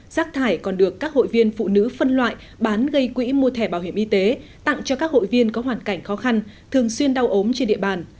rác thải còn được các hội viên phụ nữ phân loại bán gây quỹ mua thẻ bảo hiểm y tế tặng cho các hội viên có hoàn cảnh khó khăn thường xuyên đau ốm trên địa bàn